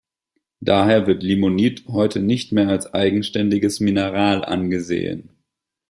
Daher wird Limonit heute nicht mehr als eigenständiges Mineral angesehen.